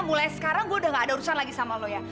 mulai sekarang gue udah gak ada urusan lagi sama lo ya